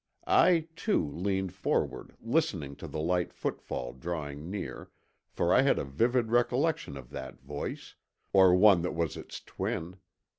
I, too, leaned forward listening to the light footfall drawing near, for I had a vivid recollection of that voice—or one that was its twin.